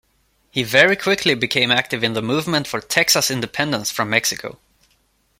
He very quickly became active in the movement for Texas independence from Mexico.